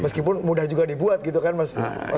meskipun mudah juga dibuat gitu kan mas